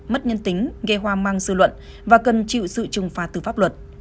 mất nhân tính gây hoa mang sự luận và cần chịu sự trừng phá từ pháp luật